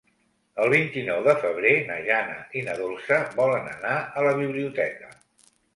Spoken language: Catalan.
El vint-i-nou de febrer na Jana i na Dolça volen anar a la biblioteca.